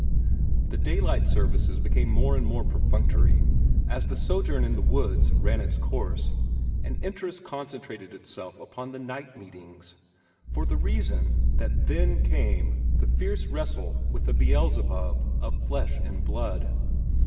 The daylight services became more and more perfunctory, as the sojourn in the woods ran its course, and interest concentrated itself upon the night meetings, for the reason that THEN came the fierce wrestle with a Beelzebub of flesh and blood.